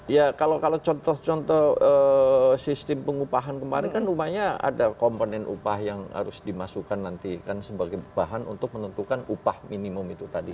ya kalau contoh contoh sistem pengupahan kemarin kan rupanya ada komponen upah yang harus dimasukkan nanti kan sebagai bahan untuk menentukan upah minimum itu tadi